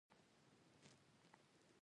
له وزیرانو سره هم نه وه لیدلې.